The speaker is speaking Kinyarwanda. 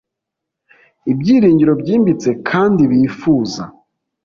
Ibyiringiro byimbitse kandi bifuza